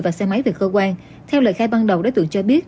và xe máy về cơ quan theo lời khai ban đầu đối tượng cho biết